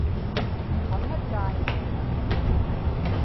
qaŋa taima